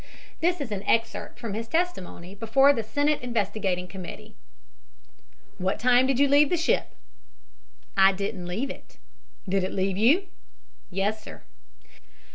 This is an excerpt from his testimony before the Senate investigating committee: "What time did you leave the ship?" "I didn't leave it." "Did it leave you?" "Yes, sir."